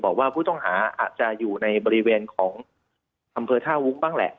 บอกว่าผู้ต้องหาอาจจะอยู่ในบริเวณของอำเภอท่าวุ้งบ้างแหละ